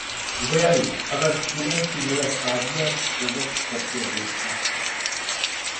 व्यंग्य: अगर किरण की जगह शाजिया को प्रोजेक्ट करते अमित शाह?